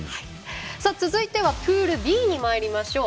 続いてはプールＢにまいりましょう。